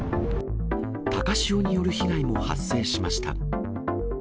高潮による被害も発生しました。